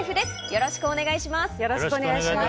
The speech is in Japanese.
よろしくお願いします。